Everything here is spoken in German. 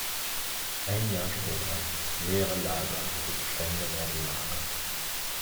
Ein Jahr später: Leere Lager, die Bestände werden mager.